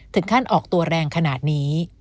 ถึงขั้นออกตัวแรงขนาดนี้